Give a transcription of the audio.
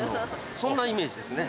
そんなイメージですね。